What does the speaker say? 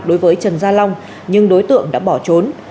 đối với trần gia long nhưng đối tượng đã bỏ trốn